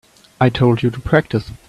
I told you to practice.